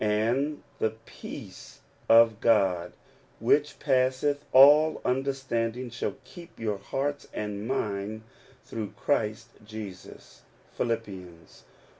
And the peace of God, which passeth all understanding, shall keep your hearts and minds through Christ Jesus'* (Phil. IV.